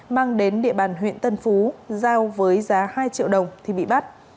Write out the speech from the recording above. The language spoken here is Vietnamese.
mang đến địa bàn huyện tân phú giao với giá hai triệu đồng thì bị bắt